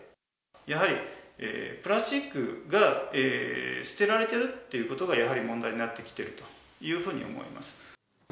やはり、プラスチックが捨てられているっていうことがやはり問題になってきているというふうに思います。